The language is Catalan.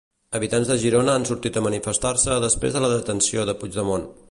Habitants de Girona han sortit a manifestar-se després de la detenció de Puigdemont.